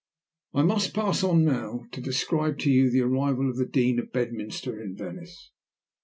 I must pass on now to describe to you the arrival of the Dean of Bedminster in Venice.